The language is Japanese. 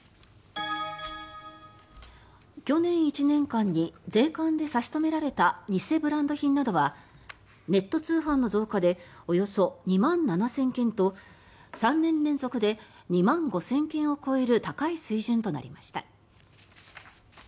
去年１年間に税関で差し止められた偽ブランド品などはネット通販の増加でおよそ２万７０００件と３年連続で２万５０００件を超える高い水準となりました。